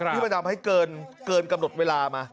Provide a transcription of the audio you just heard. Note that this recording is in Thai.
พี่มดำให้เกินกำหนดเวลามา